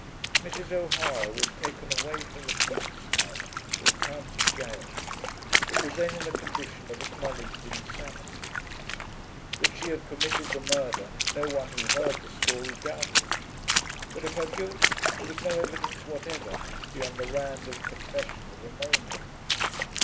Mrs. O'Hara was taken away from the priest's house to the County Gaol, but was then in a condition of acknowledged insanity. That she had committed the murder no one who heard the story doubted, but of her guilt there was no evidence whatever beyond the random confession of a maniac.